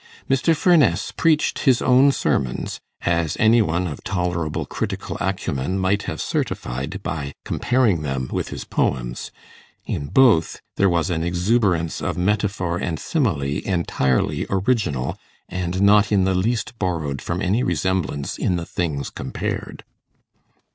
Mr. Furness preached his own sermons, as any one of tolerable critical acumen might have certified by comparing them with his poems: in both, there was an exuberance of metaphor and simile entirely original, and not in the least borrowed from any resemblance in the things compared.